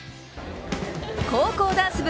高校ダンス部